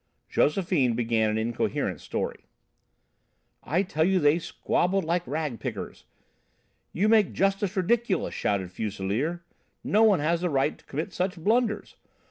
Josephine began an incoherent story. "I tell you they squabbled like rag pickers! 'You make justice ridiculous,' shouted Fuselier. 'No one has the right to commit such blunders!'